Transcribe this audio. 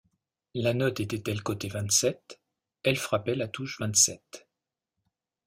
La note était-elle cotée vingt-sept, elle frappait la touche vingt-sept.